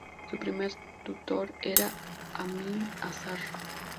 Su primer tutor era Amin Azar.